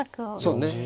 そうね。